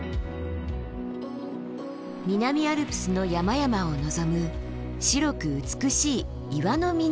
南アルプスの山々を望む白く美しい岩の峰々です。